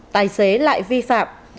tài xế lại vi phạm